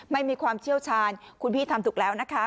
ไม่มีความเชี่ยวชาญคุณพี่ทำถูกแล้วนะคะ